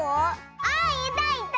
あいたいた！